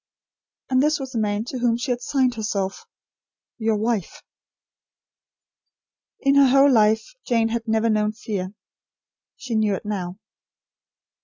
And this was the man to whom she had signed herself: "Your wife." In her whole life, Jane had never known fear. She knew it now.